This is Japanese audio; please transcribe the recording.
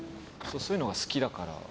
そういうのが好きだから。